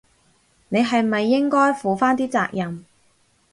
你係咪應該負返啲責任？